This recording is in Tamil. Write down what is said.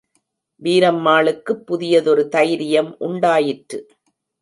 வீரம்மாளுக்குப் புதியதொரு தைரியம் உண்டாயிற்று.